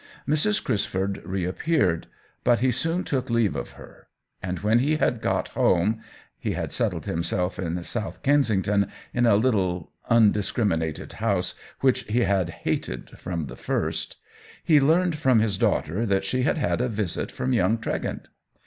Mrs. Crisford reappeared, but he soon took leave of her ; and when he had got home (he had settled himself in South Kensington, in a little undiscriminated house which he had hated from the first,) he learned from his daughter that she had had a visit from young Tregent.